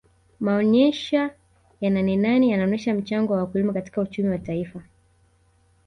maonesha ya nanenane yanaonesha mchango wa wakulima katika uchumi wa taifa